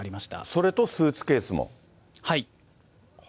それとスーツケースも？